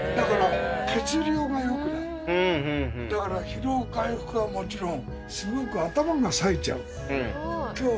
疲労回復はもちろんすごく頭がさえちゃう。